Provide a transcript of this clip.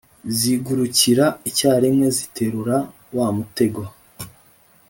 zigurukira icyarimwe, ziterura wa mutego